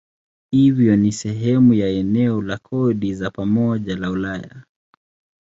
Hivyo si sehemu ya eneo la kodi za pamoja la Ulaya.